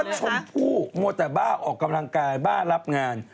วัดชมผู้หมดแต่บ้าออกกำลังกายบ้ารับงาน